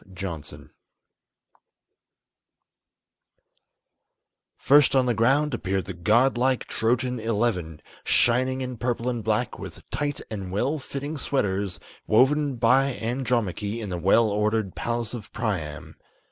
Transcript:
JOHNSON First on the ground appeared the god like Trojan Eleven, Shining in purple and black, with tight and well fitting sweaters, Woven by Andromache in the well ordered palace of Priam.